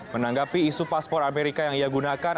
menanggapi isu paspor amerika yang ia gunakan